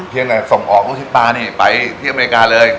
ส่งออกลูกชิ้นปลานี่ไปที่อเมริกาเลย